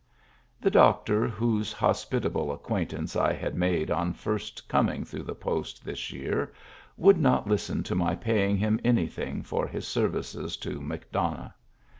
The doctor, whose hospitable acquaintance I had made on first coming through the Post this year, would not listen to my paying him anything for his services to McDonough.